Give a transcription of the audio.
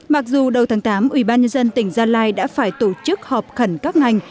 mặc dù đầu tháng tám ubnd tỉnh gia lai đã phải tổ chức họp khẩn các ngành